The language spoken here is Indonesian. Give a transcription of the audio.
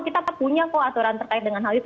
kita punya kok aturan terkait dengan hal itu